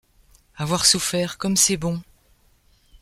Avoir souffert, comme c’est bon !